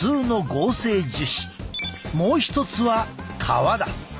もう一つは革だ。